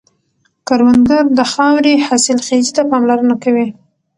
کروندګر د خاورې حاصلخېزي ته پاملرنه کوي